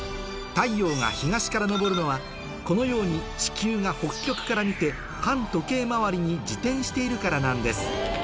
太陽が東からのぼるのはこのように地球が北極から見て反時計回りに自転しているからなんです